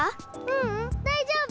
ううんだいじょうぶ。